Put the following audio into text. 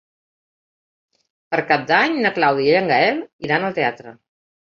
Per Cap d'Any na Clàudia i en Gaël iran al teatre.